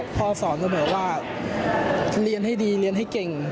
พ่อสอนเสมอว่าเรียนให้ดีเรียนให้เก่ง